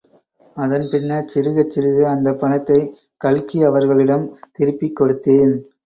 அதன் பின்னர் சிறுகச்சிறுக அந்தப் பணத்தை கல்கி அவர்களிடம் திருப்பிக் கொடுத்தேன்.